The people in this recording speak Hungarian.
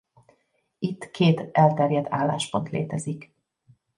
Itt két elterjedt álláspont létezik.